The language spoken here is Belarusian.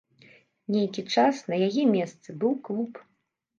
Нейкі час на яе месцы быў клуб.